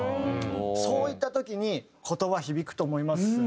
そういった時に言葉響くと思いますね。